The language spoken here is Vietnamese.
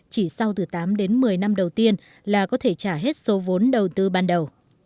chỉ sau từ tám đến một mươi năm đầu tiên là có thể trả hết số vốn đầu tư ban đầu